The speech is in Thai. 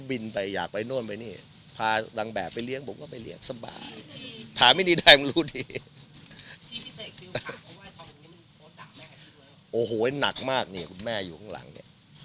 ถามไม่ได้ใครมันรู้ดิที่พิเศษคือว่าโอ้โหเงินหนักมากเนี่ยคุณแม่อยู่ข้างหลังเนี่ย